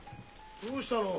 どうしたの？